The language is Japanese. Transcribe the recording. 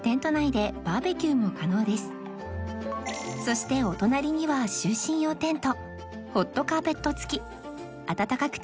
そしてお隣には就寝用テント